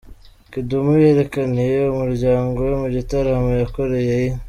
Kidum yerekaniye umuryango we mu gitaramo yakoreye i